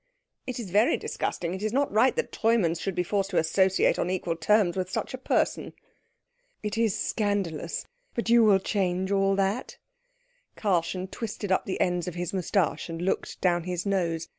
"It is very disgusting. It is not right that Treumanns should be forced to associate on equal terms with such a person." "It is scandalous. But you will change all that." Karlchen twisted up the ends of his moustache and looked down his nose.